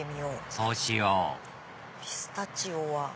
そうしようピスタチオは。